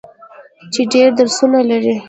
چې ډیر درسونه لري.